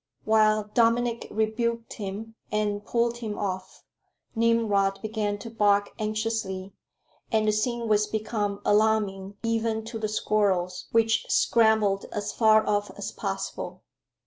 While Dominic rebuked him and pulled him off, Nimrod began to bark anxiously, and the scene was become alarming even to the squirrels, which scrambled as far off as possible.